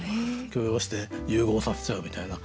許容して融合させちゃうみたいな。